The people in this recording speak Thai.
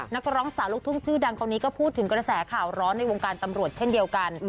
นักร้องสาวลูกทุ่งชื่อดังคนนี้ก็พูดถึงกระแสข่าวร้อนในวงการตำรวจเช่นเดียวกัน